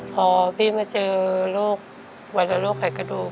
พอพี่มาเจอโรควรรณโรคไขกระดูก